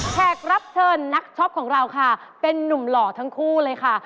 แขกรับเชิญนักช็อปของเราค่ะเป็นนุ่มหล่อทั้งคู่เลยค่ะ